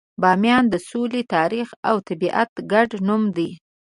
بامیان د سولې، تاریخ، او طبیعت ګډ نوم دی.